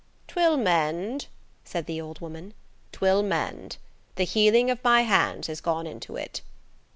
"'Twill mend," said the old woman,–"'twill mend. The healing of my hands has gone into it."